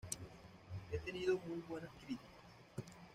Ha tenido muy buenas críticas.